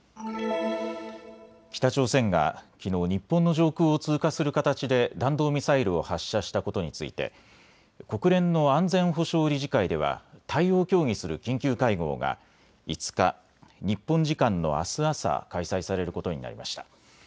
北朝鮮がきのう、日本の上空を通過する形で弾道ミサイルを発射したことについて国連の安全保障理事会では対応を協議する緊急会合が５日、日本時間のあす朝、開催されることになりました。